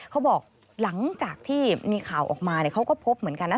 เขาบอกหลังจากที่มีข่าวออกมาเขาก็พบเหมือนกันนะ